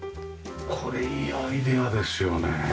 これいいアイデアですよね。